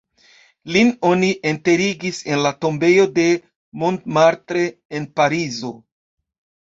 Lin oni enterigis en la tombejo de Montmartre en Parizo.